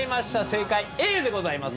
正解Ａでございます。